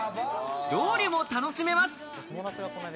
ロウリュも楽しめます。